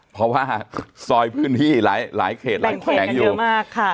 เพราะว่าซอยพื้นที่หลายเขตหลายแผงอยู่มากค่ะ